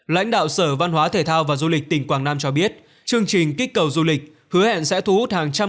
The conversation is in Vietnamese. lãnh đạo sở văn hóa thể thao và du lịch tỉnh quảng nam cho biết chương trình kích cầu du lịch hứa hẹn sẽ thu hút hàng trăm